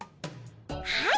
はい！